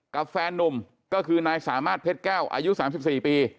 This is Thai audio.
กับแฟนหนุ่มก็คือนายสามาธิเผ็ดแก้วอายุ๓๔ปี